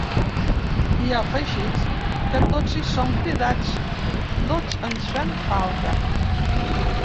I ha afegit que ‘tots hi som cridats, tots ens fem falta’.